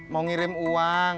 mau ngirim uang